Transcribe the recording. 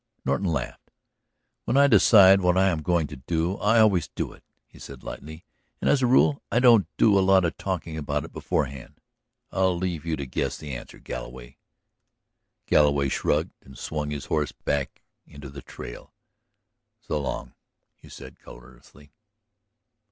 Norton laughed. "When I decide what I am going to do I always do it," he said lightly. "And as a rule I don't do a lot of talking about it beforehand. I'll leave you to guess the answer, Galloway." Galloway shrugged and swung his horse back into the trail. "So long," he said colorlessly.